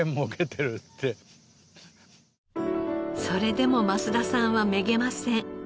それでも増田さんはめげません。